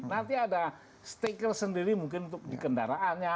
nanti ada stiker sendiri mungkin untuk di kendaraannya